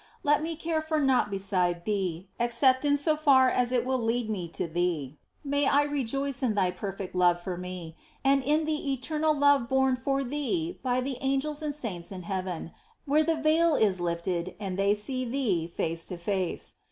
Let me care for naught beside Thee, except in so far as it will lead me to Thee. May I rejoice in Thy perfect love for me, and in the eternal love borne for Thee by the angels and saints in heaven, where the veil is lifted and they see Thee face to face.